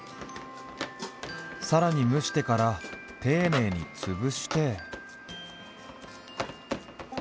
さらに蒸してから丁寧につぶして。